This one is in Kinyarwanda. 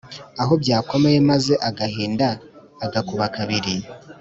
aho byakomeye maze agahinda agakuba kabiri